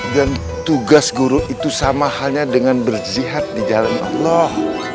dan tugas guru itu sama hanya dengan bersihat di jalan allah